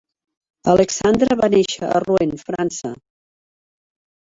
Alexandre va néixer a Rouen, França.